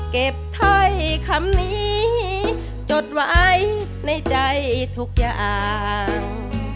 ถ้อยคำนี้จดไว้ในใจทุกอย่าง